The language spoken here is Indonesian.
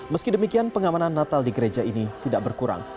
meski demikian pengamanan natal di gereja ini tidak berkurang